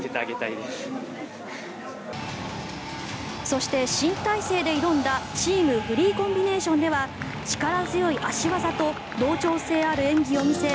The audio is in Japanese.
そして、新体制で挑んだチーム・フリーコンビネーションでは力強い脚技と同調性ある演技を見せ